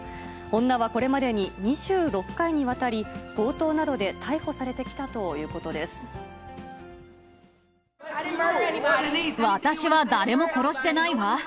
女はこれまでに２６回にわたり、強盗などで逮捕されてきたという私は誰も殺してないわ。